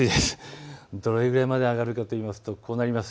どれくらいまで上がるかといいますと、こうなります。